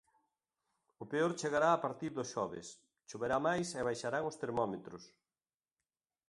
O peor chegará a partir do xoves. Choverá máis e baixarán os termómetros.